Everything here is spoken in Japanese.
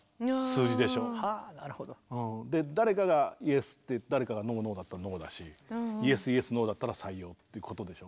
誰かが「イエス」で誰かが「ノー」「ノー」だったら「ノー」だし「イエス」「イエス」「ノー」だったら採用っていうことでしょ。